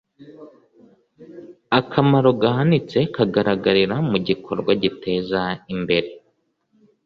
akamaro gahanitse kagaragarira mu gikorwa giteza imbere